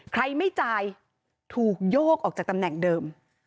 ไม่จ่ายถูกโยกออกจากตำแหน่งเดิม